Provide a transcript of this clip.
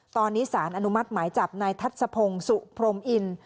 ตอนนี้สารอนุมัติหมายจับนายทัศพงศ์สุพรมอิน